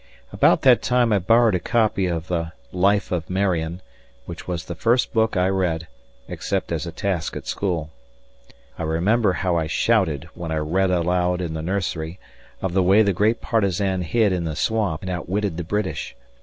About that time I borrowed a copy of the "Life of Marion", which was the first book I read, except as a task at school. I remember how I shouted when I read aloud in the nursery of the way the great partisan hid in the swamp and outwitted the British.